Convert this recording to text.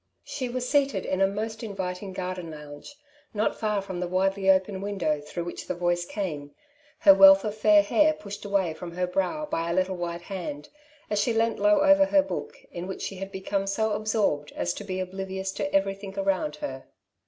She was seated in a most inviting garden lounge, not far from the widely open window through which the voice came, her wealth of fair hair pushed away from her brow by a little white hand, as she leant low over her book, in which she had become so absorbed as to be oblivious to everything around her.